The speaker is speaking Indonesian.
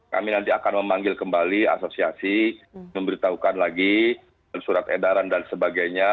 kami nanti akan memanggil kembali asosiasi memberitahukan lagi surat edaran dan sebagainya